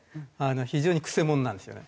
非常に曲者なんですよね。